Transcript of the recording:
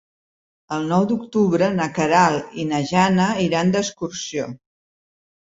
El nou d'octubre na Queralt i na Jana iran d'excursió.